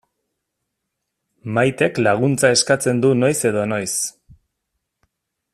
Maitek laguntza eskatzen du noiz edo noiz.